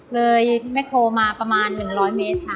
เลยไมโทมาประมาณ๑๐๐เมตรค่ะ